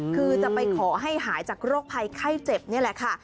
คือจะไปขอให้หายจากโรคภัยไข้เจ็บนี่แหละค่ะ